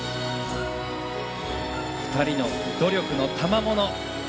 ２人の努力のたまもの。